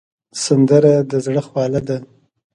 سندره د زړه خواله ده